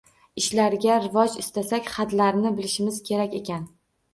Ishlarga rivoj istasak hadlarni bilishimiz kerak ekan.